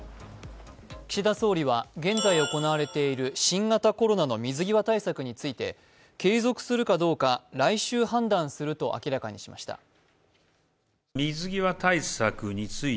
岸田総理は現在行われている新型コロナの水際対策について継続するかどうか来週判断すると明らかにしました。